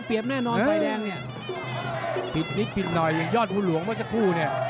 ปิดปิดหน่อยยอดพุมหลวงเมื่อสักครู่เนี่ย